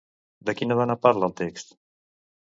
De quina dona parla el text?